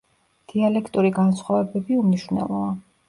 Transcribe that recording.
დიალექტური განსხვავებები უმნიშვნელოა.